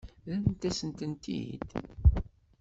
Rrant-asent-tent-id?